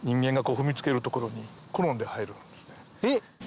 えっ！